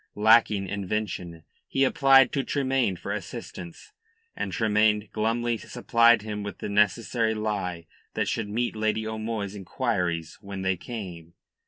Lacking invention, he applied to Tremayne for assistance, and Tremayne glumly supplied him with the necessary lie that should meet Lady O'Moy's inquiries when they came.